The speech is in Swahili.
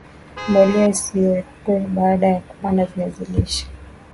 mbolea isiwekwe baada ya kupanda viazi lishe